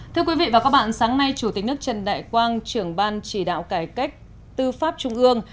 thưa quý vị và các bạn sáng nay chủ tịch nước trần đại quang trưởng ban chỉ đạo cải cách tư pháp trung ương